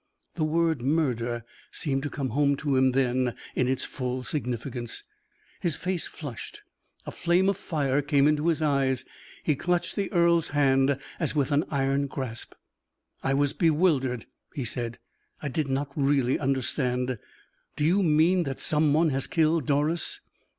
The word murder seemed to come home to him then in its full significance; his face flushed, a flame of fire came into his eyes. He clutched the earl's hand as with an iron grasp. "I was bewildered," he said. "I did not really understand. Do you mean that some one has killed Doris?"